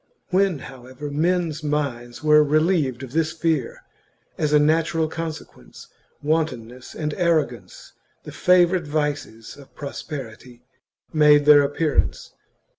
When, however, men's minds were relieved of this fear, as a natural consequence, wantonness and arrogance, the favourite vices of prosperity, made their appearance.